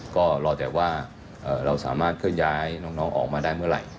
ก็รอแต่ว่าเราสามารถเคลื่อนย้ายน้องออกมาได้เมื่อไหร่